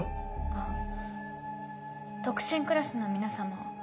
あっ特進クラスの皆様